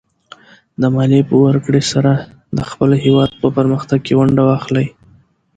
د مالیې په ورکړې سره د خپل هېواد په پرمختګ کې ونډه واخلئ.